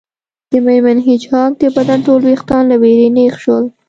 د میرمن هیج هاګ د بدن ټول ویښتان له ویرې نیغ شول